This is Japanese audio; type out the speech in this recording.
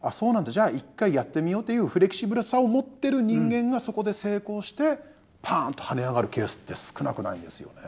じゃあ一回やってみよう」っていうフレキシブルさを持ってる人間がそこで成功してパンと跳ね上がるケースって少なくないんですよね。